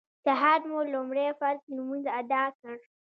سهار مو لومړی فرض لمونځ اداء کړ.